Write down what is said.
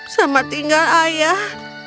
selamat tinggal ayah